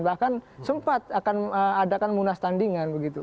bahkan sempat akan adakan munas tandingan begitu